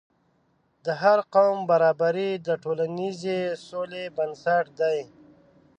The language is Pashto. د هر قوم برابري د ټولنیزې سولې بنسټ دی.